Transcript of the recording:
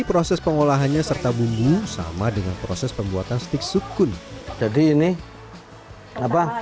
proses pengolahannya serta bumbu sama dengan proses pembuatan stik sukun jadi ini apa